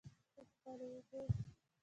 په خپلو اوبو.